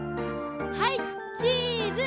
はいチーズ！